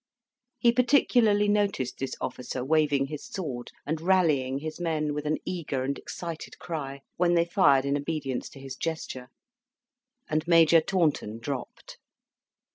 He particularly noticed this officer waving his sword, and rallying his men with an eager and excited cry, when they fired in obedience to his gesture, and Major Taunton dropped.